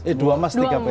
eh dua emas tiga pera